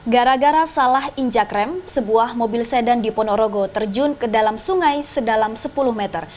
gara gara salah injak rem sebuah mobil sedan di ponorogo terjun ke dalam sungai sedalam sepuluh meter